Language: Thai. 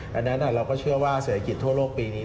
ดังนั้นเราก็เชื่อว่าเศรษฐกิจทั่วโลกปีนี้